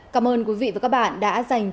cảm ơn quý vị và các bạn đã dành thời gian theo dõi